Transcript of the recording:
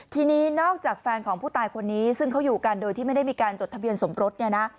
ทีนี้นอกจากแฟนของผู้ตายคนนี้ซึ่งเขาอยู่กันโดยที่ไม่ได้มีการจดทะเบียนสมรสเนี่ยนะ